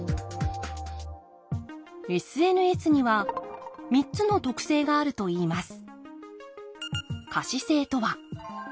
ＳＮＳには３つの特性があるといいます